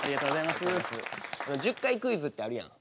１０回クイズってあるやん。